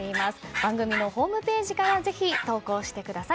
番組ホームページからぜひ投稿してください。